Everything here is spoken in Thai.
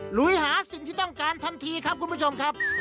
ลุยหาสิ่งที่ต้องการทันทีครับคุณผู้ชมครับ